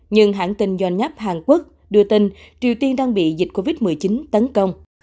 nhưng hãng tin doanh nháp hàn quốc đưa tin triều tiên đang bị dịch covid một mươi chín tấn công